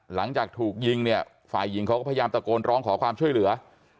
หลังจากถูกยิงเนี่ยฝ่ายหญิงเขาก็พยายามตะโกนร้องขอความช่วยเหลือ